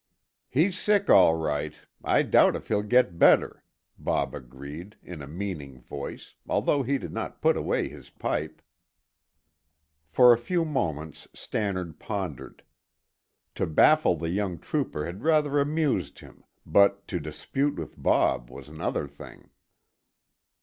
"He's sick all right. I doubt if he'll get better," Bob agreed in a meaning voice, although he did not put away his pipe. For a few moments Stannard pondered. To baffle the young trooper had rather amused him, but to dispute with Bob was another thing.